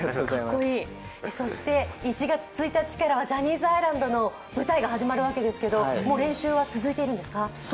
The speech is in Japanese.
そして１月１日からは「ＪＯＨＮＮＹＳ’ＩＳＬＡＮＤ」の舞台が始まるわけですけど、もう練習は続いているんですか？